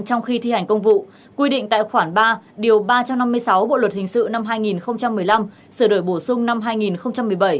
trong khi thi hành công vụ quy định tại khoản ba điều ba trăm năm mươi sáu bộ luật hình sự năm hai nghìn một mươi năm sửa đổi bổ sung năm hai nghìn một mươi bảy